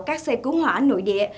các xe cứu hỏa nội địa